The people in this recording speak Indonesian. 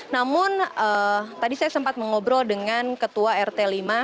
namun tadi saya sempat mengobrol dengan ketua rt lima